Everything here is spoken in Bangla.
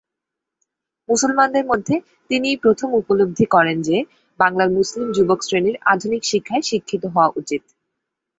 মুসলমানদের মধ্যে তিনিই প্রথম উপলব্ধি করেন যে, বাংলার মুসলিম যুবক শ্রেণীর আধুনিক শিক্ষায় শিক্ষিত হওয়া উচিত।